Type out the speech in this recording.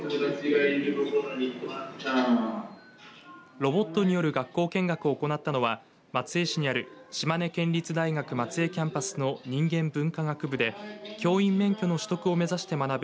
ロボットによる学校見学を行ったのは松江市にある島根県立大学松江キャンパスの人間文化学部で教員免許の取得を目指して学ぶ